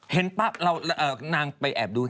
เห็นปั๊บนางไปแอบดู